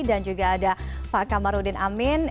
dan juga ada pak kamarudin amin